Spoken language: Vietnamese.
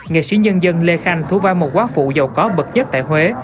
nghệ sĩ nhân dân lê khanh thú vai một quá phụ giàu có bậc nhất tại huế